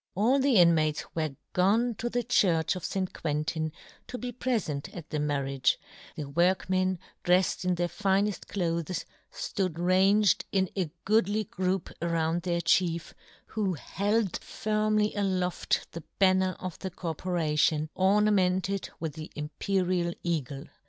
All the inmates were gone to the church of St. Quentin to be prefent at the marriage ; the work men, dreffed in their fineft clothes, flood ranged in a goodly group around their chief, who held firmly aloft the banner of the Corporation, ornamented with the Imperial Eagle.